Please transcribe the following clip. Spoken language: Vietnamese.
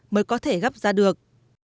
mới có thể gắp ra được